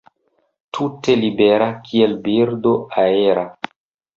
Tute libera, kiel birdo aera.